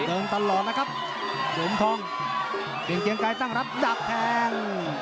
เดินตลอดนะครับโดมทองเดียงเกียงกายตั้งรับดับแทง